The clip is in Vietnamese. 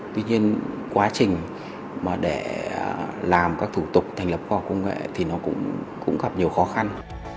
tuy nhiên quá trình mà để làm các thủ tục thành lập khoa học công nghệ thì nó cũng gặp nhiều khó khăn